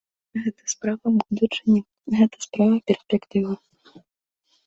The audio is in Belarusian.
Гэта справа будучыні, гэта справа перспектывы.